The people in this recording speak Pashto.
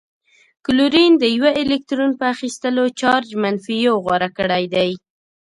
کلورین د یوه الکترون په اخیستلو چارج منفي یو غوره کړی دی.